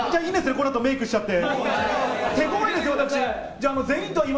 このあとメークしちゃって。